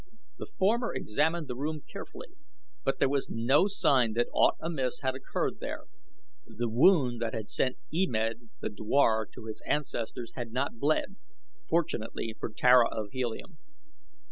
The former examined the room carefully, but there was no sign that aught amiss had occurred there. The wound that had sent E Med the dwar to his ancestors had not bled, fortunately for Tara of Helium.